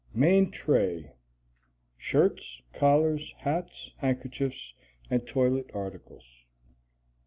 Main Tray. Shirts, collars, hats, handkerchiefs, and toilet articles.